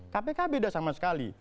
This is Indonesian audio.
kpk beda sama sekali